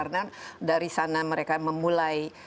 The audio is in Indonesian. kebetulan sangat berhasil ya karena dari sana mereka memulai